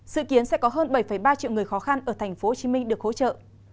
dự kiến sẽ có hơn bảy ba triệu người khó khăn ở tp hcm được hỗ trợ